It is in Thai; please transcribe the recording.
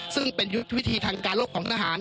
ซึ่งเป็นยุทธวิธีทางการลบของทหาร